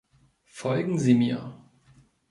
Folgen Sie mir!